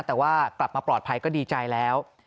แต่ว่ากลับมาปลอดภัยก็ดีใจแล้ว